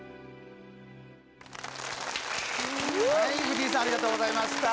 藤井さんありがとうございました。